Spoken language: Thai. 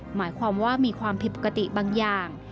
หมายความว่ามีความผิดปกติบางอย่าง